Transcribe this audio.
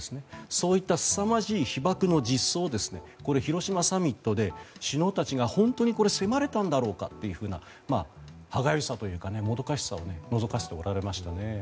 そういったすさまじい被爆の実相を広島サミットで、首脳たちが本当に迫れたんだろうかという歯がゆさというかもどかしさをのぞかせておられましたね。